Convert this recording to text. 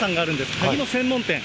鍵の専門店。